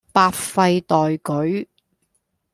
百廢待舉